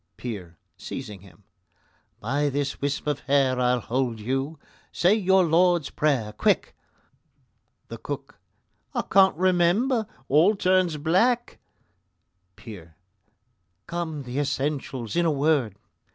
PEER (seizing him): By this wisp of hair I'll hold you; say your Lord's Prayer, quick! THE COOK: I can't remember; all turns black PEER: Come, the essentials in a word!